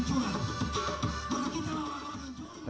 mereka kitarakan orang orang yang curang